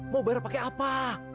mau bayar pakai apa